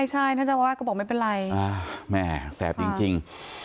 ใช่ท่านเจ้าวาดก็บอกไม่เป็นไรแม่แสบจริง